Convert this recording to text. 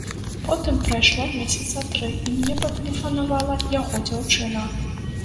Потым прайшло месяцы тры, і мне патэлефанавала яго дзяўчына.